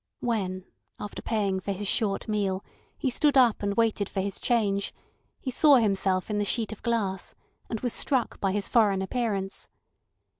When, after paying for his short meal, he stood up and waited for his change, he saw himself in the sheet of glass, and was struck by his foreign appearance.